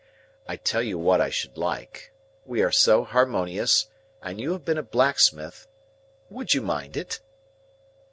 I tell you what I should like. We are so harmonious, and you have been a blacksmith,—would you mind it?"